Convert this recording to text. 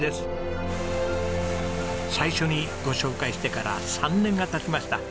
最初にご紹介してから３年が経ちました。